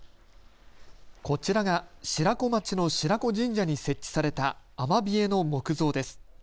こちらが白子町の白子神社に設置されたアマビエの木像です。